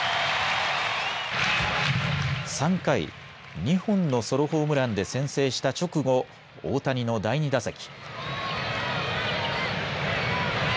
３回、２本のソロホームランで先制した直後、大谷の第２打席。